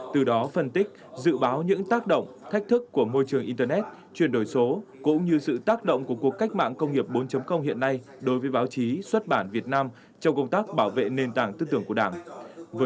từ đó phân tích dự báo những tác động thách thức của môi trường internet chuyển đổi số cũng như sự tác động của cuộc cách mạng công nghiệp bốn hiện nay đối với báo chí xuất bản việt nam trong công tác bảo vệ nền tảng tư tưởng của đảng